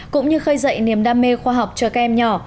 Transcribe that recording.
cũng như khơi dậy niềm đam mê khoa học cho các em nhỏ